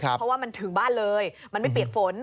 เพราะว่ามันถึงบ้านเลยมันไม่เปียกฝน